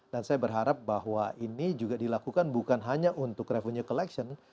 dan saya berharap bahwa ini juga dilakukan bukan hanya untuk revenue collection